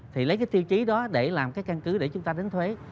thì lấy cái tiêu chí đó để làm cái căn cứ để chúng ta đánh thuế